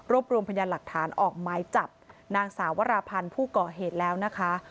รวมรวมพยานหลักฐานออกไม้จับนางสาวราพันธ์ผู้ก่อเหตุแล้วนะคะ